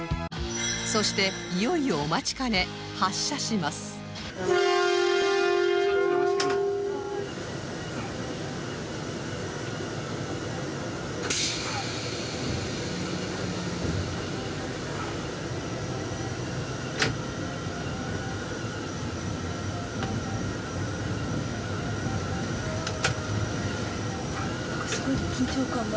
そしていよいよお待ちかね発車しますなんかすごい緊張感が。